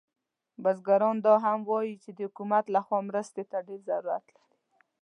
بزګران دا هم وایي چې د حکومت له خوا مرستې ته ډیر ضرورت لري